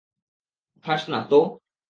খাস না, তো?